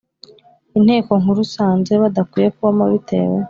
Inteko Nkuru isanze badakwiye kubamo bitewe